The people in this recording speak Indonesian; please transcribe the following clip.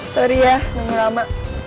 sorry ya nunggu lama